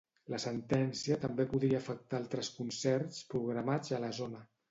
La sentència també podria afectar altres concerts programats a la zona.